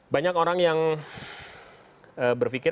banyak orang yang berpikir